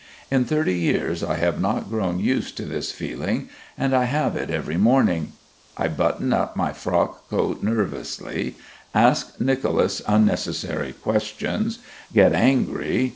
In thirty years I have not grown used to this feeling, and I have it every morning. I button up my frock coat nervously, ask Nicolas unnecessary questions, get angry....